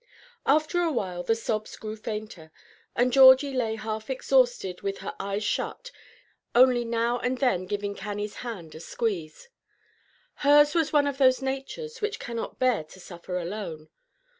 After a while the sobs grew fainter, and Georgie lay half exhausted, with her eyes shut, only now and then giving Cannie's hand a squeeze. Hers was one of those natures which cannot bear to suffer alone.